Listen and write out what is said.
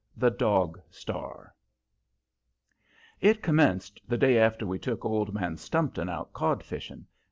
THE DOG STAR It commenced the day after we took old man Stumpton out codfishing.